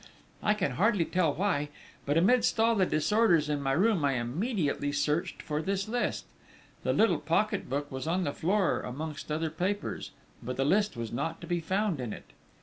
I can hardly tell why, but amidst all the disorders in my room I immediately searched for this list. The little pocket book was on the floor amongst other papers, but the list was not to be found in it.